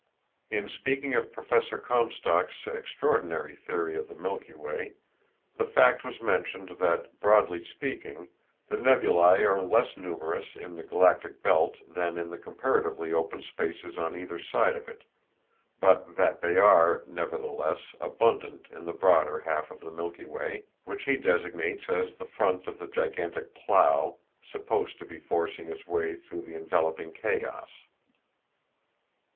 In speaking of Professor Comstock's extraordinary theory of the Milky Way, the fact was mentioned that, broadly speaking, the nebulæ are less numerous in the galactic belt than in the comparatively open spaces on either side of it, but that they are, nevertheless, abundant in the broader half of the Milky Way which he designates as the front of the gigantic "plough" supposed to be forcing its way through the enveloping chaos.